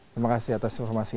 terima kasih atas informasi